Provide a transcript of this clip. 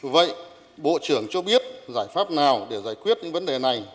vậy bộ trưởng cho biết giải pháp nào để giải quyết những vấn đề này